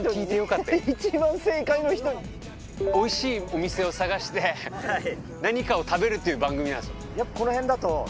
おいしいお店を探して何かを食べるっていう番組なんですよ。